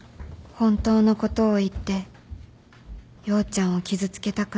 本当のことを言って陽ちゃんを傷つけたくない